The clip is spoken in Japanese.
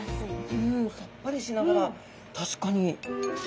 うんさっぱりしながら確かに。